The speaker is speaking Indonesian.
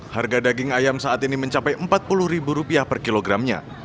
harga daging ayam saat ini mencapai rp empat puluh per kilogramnya